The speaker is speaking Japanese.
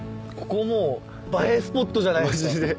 ここもう映えスポットじゃないですか。